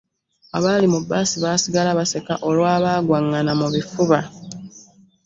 Abaali mu bbaasi baasigala baseka olw'abagwangana mu bifuba.